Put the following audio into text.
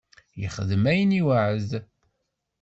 Yexdem ayen i iweεεed.